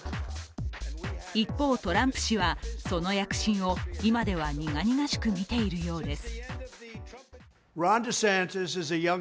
一方、トランプ氏はその躍進を今では苦々しく見ているようです。